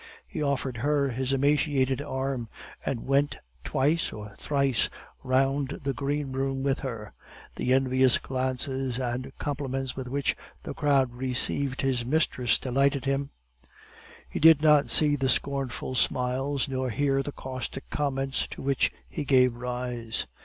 He offered her his emaciated arm, and went twice or thrice round the greenroom with her; the envious glances and compliments with which the crowd received his mistress delighted him; he did not see the scornful smiles, nor hear the caustic comments to which he gave rise.